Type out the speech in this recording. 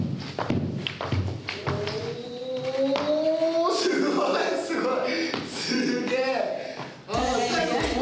おお、すごい！